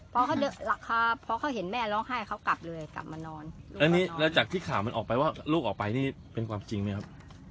พอเขาเดินหลังคาพอเขาเห็นแม่ร้องไห้เขากลับเลยกลับมานอนแล้วนี่แล้วจากที่ข่าวมันออกไปว่าลูกออกไปนี่เป็นความจริงไหมครับ